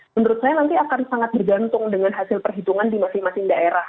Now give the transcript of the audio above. menurut saya nanti akan sangat bergantung dengan hasil perhitungan di masing masing daerah